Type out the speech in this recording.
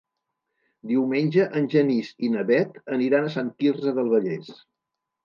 Diumenge en Genís i na Bet aniran a Sant Quirze del Vallès.